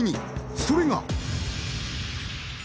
それが。